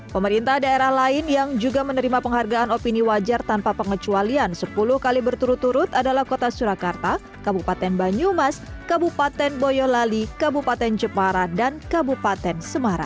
pemerintah daerah lain yang juga menerima penghargaan opini wajar tanpa pengecualian sepuluh kali berturut turut adalah kota surakarta kabupaten banyumas kabupaten boyolali kabupaten jepara dan kabupaten semarang